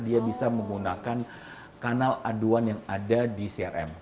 dia bisa menggunakan kanal aduan yang ada di crm